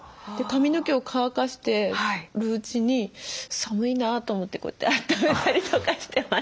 髪の毛を乾かしてるうちに寒いなと思ってこうやってあっためたりとかしてました。